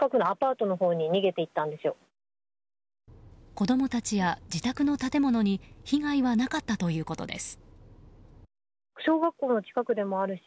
子供たちや自宅の建物に被害はなかったということです。